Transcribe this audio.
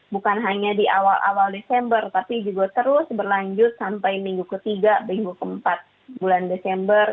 bukan hanya di awal awal desember tapi juga terus berlanjut sampai minggu ketiga minggu keempat bulan desember